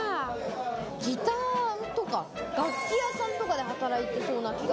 ギターとか楽器屋さんとかで働いてそうな気が。